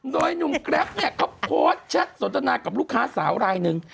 โดยหนุ่มแกรปเนี่ยเขาโพสต์แชทสนทนากับลูกค้าสาวรายหนึ่ง